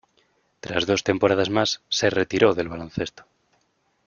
Tras dos temporadas más, se retiró del baloncesto.